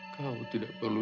kau tidak perlu